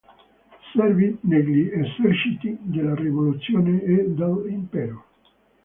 Servì negli eserciti della Rivoluzione e dell'Impero.